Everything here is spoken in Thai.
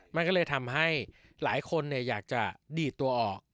มันก็เลยทำให้หลายคนอยากจะดีดตัวออก